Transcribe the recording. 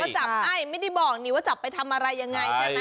จับให้ไม่ได้บอกนี่ว่าจับไปทำอะไรยังไงใช่ไหม